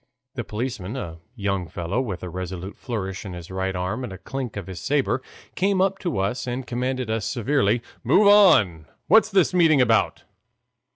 The policeman, a young fellow, with a resolute flourish of his right arm and a clink of his saber, came up to us and commanded us severely: "Move on! what's this meeting about?"